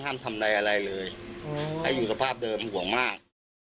ทำอะไรอะไรเลยให้อยู่สภาพเดิมห่วงมาก